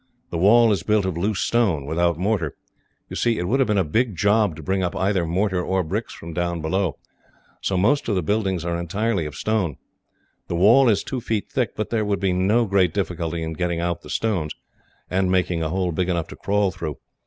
The wall is built of loose stone, without mortar. You see, it would have been a big job to bring up either mortar or bricks from down below, so most of the buildings are entirely of stone. The wall is two feet thick, but there would be no great difficulty in getting out the stones, and making a hole big enough to crawl through.